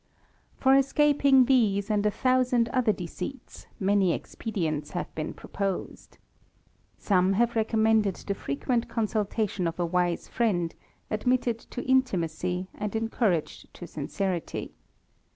For escaping these and a thousand other deceits, many expedients have been proposed. Some have recommended the frequent consultation of a wise friend, admitted to intimacy, and encouraged to sincerity.